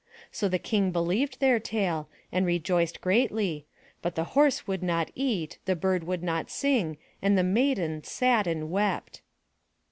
So the King believed their tale and rejoiced greatly, but the horse would not eat, the bird would not sing, and the Maiden sat and wept.